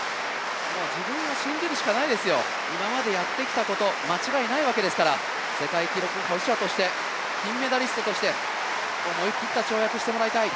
自分を信じることしかないですよ、今までやってきたこと、間違いないわけですから、世界記録保持者として金メダリストとして思い切った跳躍をしてもらいたい。